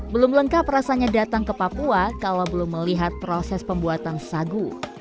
belum lengkap rasanya datang ke papua kalau belum melihat proses pembuatan sagu